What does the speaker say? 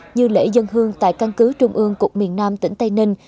như lễ dân hương tại căn cứ trung ương cục miền nam tỉnh tây ninh